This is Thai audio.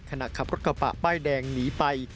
ขณะขับรถกระปะใบ้แดงหนีไป